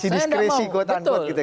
kasih diskresi keuatan buat gitu ya